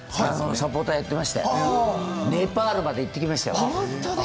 サポーターをやっていますけどネパールまで行ってきましたよ。